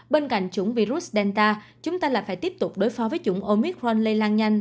bên cạnh chủng virus delta chúng ta là phải tiếp tục đối phó với chủng omicron lây lan nhanh